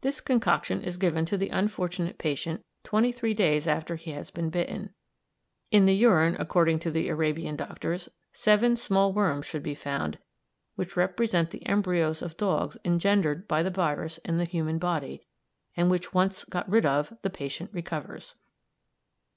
This concoction is given to the unfortunate patient twenty three days after he has been bitten. In the urine, according to the Arabian doctors, seven small worms should be found which represent the embryos of dogs engendered by the virus in the human body, and which when once got rid of the patient recovers!